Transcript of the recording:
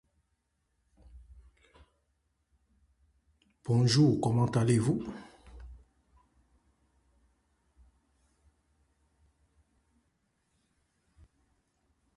Cursó la escuela primaria en Carmelo.